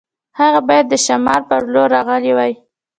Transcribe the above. هغه باید د شمال په لور راغلی وای.